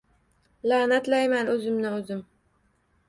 Lanatlayman oʻzimni oʻzim.